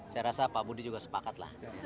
saya rasa pak budi juga sepakat lah